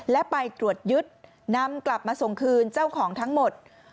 และไปตรวจยึดนำกลับมาส่งคืนเจ้าของทั้งหมด